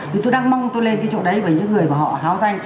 vì tôi đang mong tôi lên cái chỗ đấy với những người mà họ háo danh